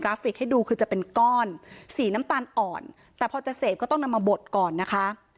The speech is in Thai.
ฟิกให้ดูคือจะเป็นก้อนสีน้ำตาลอ่อนแต่พอจะเสพก็ต้องนำมาบดก่อนนะคะ